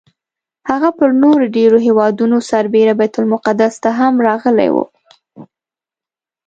هغه پر نورو ډېرو هېوادونو سربېره بیت المقدس ته هم راغلی و.